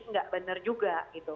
nggak benar juga gitu